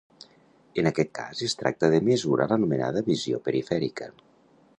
En aquest cas es tracta de mesurar l’anomenada ‘visió perifèrica’.